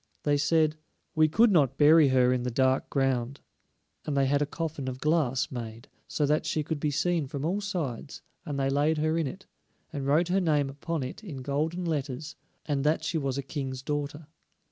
They said: "We could not bury her in the dark ground," and they had a coffin of glass made, so that she could be seen from all sides, and they laid her in it, and wrote her name upon it in golden letters, and that she was a King's daughter.